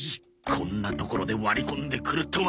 こんなところで割り込んでくるとは。